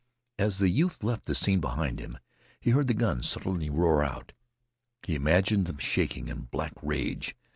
As the youth left the scene behind him, he heard the guns suddenly roar out. He imagined them shaking in black rage.